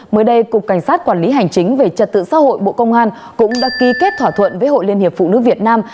mới đây cục cảnh sát quản lý hành chính về trật tự xã hội bộ công an cũng đã ký kết thỏa thuận với hội liên hiệp phụ nữ việt nam